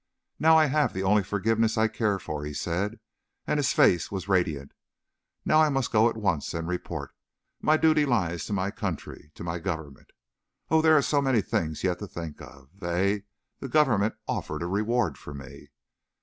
"Now I have the only forgiveness I care for," he said, and his face was radiant. "Now, I must go at once, and report. My duty lies to my country, to my government! Oh, there are so many things yet to think of! They, the Government, offered a reward for me!"